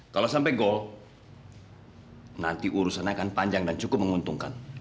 kalau sampai gol nanti urusannya akan panjang dan cukup menguntungkan